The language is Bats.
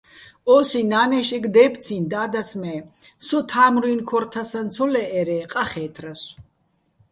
ო́სი ნანეშეგო̆ დე́ფციჼ და́დას, მე სო თამრუჲნ ქორ თასაჼ ცო ლე́ჸერ-ე ყახე́თრასო̆.